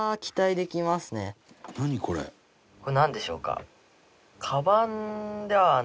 これなんでしょうか？